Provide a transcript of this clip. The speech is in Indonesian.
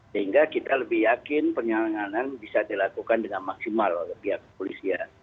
sehingga kita lebih yakin penyalanganan bisa dilakukan dengan maksimal oleh pihak polisi ya